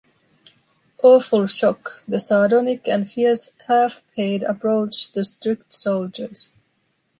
Awful shock, the sardonic and fierce half-payed approached the strict soldiers.